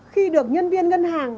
khi được nhân viên ngân hàng